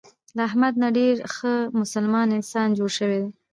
له احمد نه ډېر ښه مسلمان انسان جوړ شوی دی.